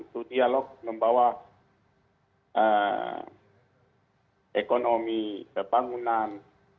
itu dialog membawa ekonomi pembangunan